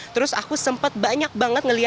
terus aku sempat banyak banget ngelihat